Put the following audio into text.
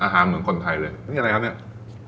อาหารเหมือนคนไทยเลย